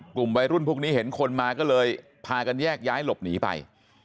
กลุ่มวัยรุ่นพวกนี้เห็นคนมาก็เลยพากันแยกย้ายหลบหนีไป